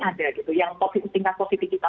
ada yang tingkat positif